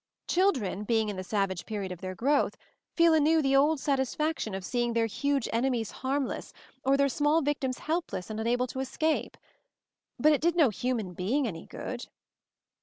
Children, being in the savage period of their growth, feel anew the old satisfaction of see MOVING^ THE MOUNTAIN 147 ing their huge enemies harmless or their small victims helpless and unable to escape. But it did no human being any good."